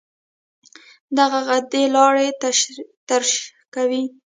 دغه غدې لاړې ترشح کوي.